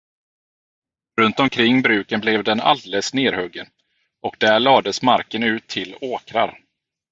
Runtomkring bruken blev den alldeles nerhuggen, och där lades marken ut till åkrar.